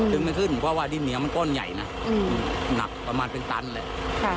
ไม่ขึ้นเพราะว่าดินเหนียวมันก้อนใหญ่นะหนักประมาณเป็นตันแหละ